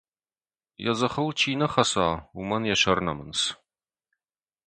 Йӕ дзыхыл чи нӕ хӕца, уымӕн йӕ сӕр нӕмынц.